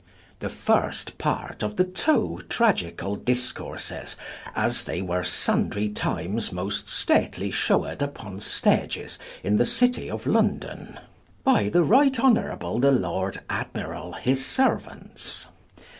The first part of the two Tragicall discourses, as they were sundrie times most stately shewed vpon Stages in the Citie of London. By the right honorable the Lord Admirall, his seruauntes.